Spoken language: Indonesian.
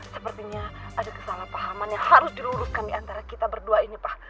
sepertinya ada kesalahpahaman yang harus diluruskan diantara kita berdua ini pak